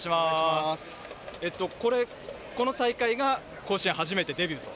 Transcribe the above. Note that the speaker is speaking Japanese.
これ、この大会が甲子園初めてデビューと。